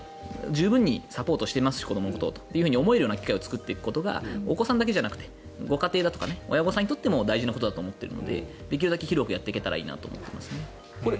十分にサポートしていますし子どものことをと思ってもらえる機会を作っていくことがお子さんだけじゃなくてご家庭、親御さんにとっても大事なことだと思っているのでできるだけ広くやっていけたらと思いますね。